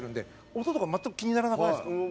音とか全く気にならなくないですか？